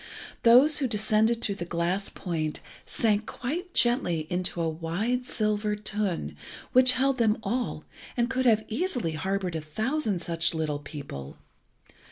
Those who descended through the glass point sank quite gently into a wide silver tun, which held them all, and could have easily harboured a thousand such little people.